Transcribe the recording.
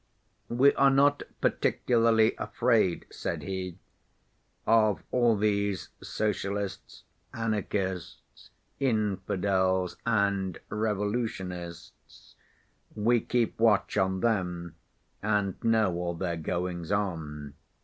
'We are not particularly afraid,' said he, 'of all these socialists, anarchists, infidels, and revolutionists; we keep watch on them and know all their goings on.